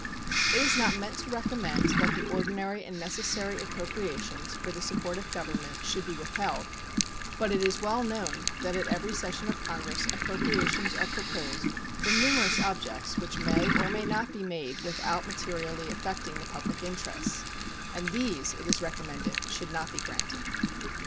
It is not meant to recommend that the ordinary and necessary appropriations for the support of Government should be withheld; but it is well known that at every session of Congress appropriations are proposed for numerous objects which may or may not be made without materially affecting the public interests, and these it is recommended should not be granted.